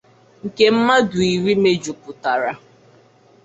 nke mmadụ iri mejupụtara